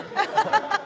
ハハハハ！